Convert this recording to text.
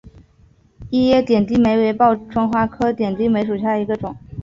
异叶点地梅为报春花科点地梅属下的一个种。